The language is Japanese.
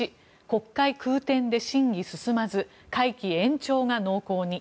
１国会空転で審議進まず会期延長が濃厚に。